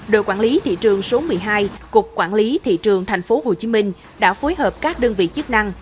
đội quản lý thị trường số một mươi hai cục quản lý thị trường tp hcm đã phối hợp các đơn vị chức năng